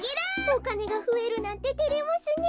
おかねがふえるなんててれますねえ。